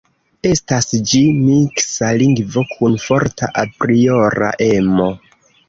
Estas ĝi miksa lingvo kun forta apriora emo.